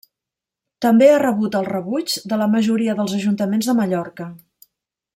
També ha rebut el rebuig de la majoria dels ajuntaments de Mallorca.